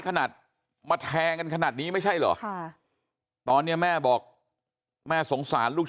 ขนาดมาแทงกันขนาดนี้ไม่ใช่เหรอตอนนี้แม่บอกแม่สงสารลูก